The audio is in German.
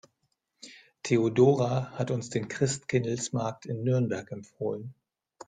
Theodora hat uns den Christkindlesmarkt in Nürnberg empfohlen.